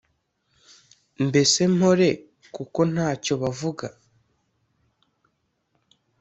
Mbese mpore kuko nta cyo bavuga